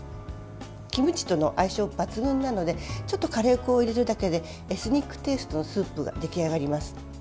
キムチとの相性が抜群なのでちょっとカレー粉を入れるだけでエスニックテイストのスープが出来上がります。